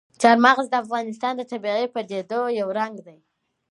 چار مغز د افغانستان د طبیعي پدیدو یو رنګ دی.